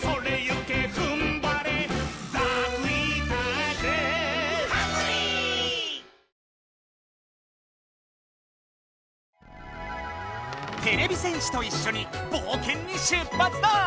てれび戦士といっしょにぼうけんに出発だ！